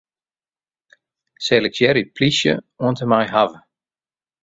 Selektearje 'plysje' oant en mei 'hawwe'.